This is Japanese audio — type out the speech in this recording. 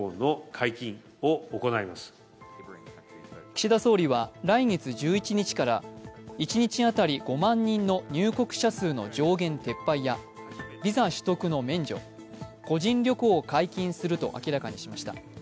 岸田総理は来月１１日から一日当たり５万人の入国者数の上限撤廃やビザ取得の免除、個人旅行を解禁すると明らかにしました。